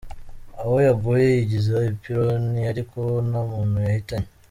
Aho yaguye yagiza ipironi, ariko bo nta muntu yahitanye.